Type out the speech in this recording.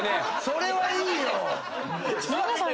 それはいいよ。